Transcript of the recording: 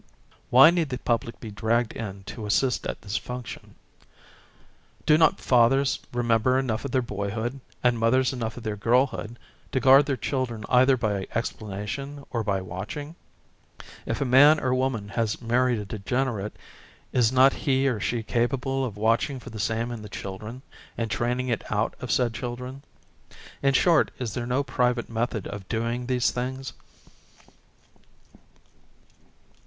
Why need the public be dragged in to assist at this function? Do not fathers remember enough of their boyhood, and mothers enough of their girlhood, to guard their children either by explanation or by watching? If a man or woman has married a degenerate, is not he or she capable! of watching for the same in the children and training it out of said children? In short, is there no private i method of doing these things?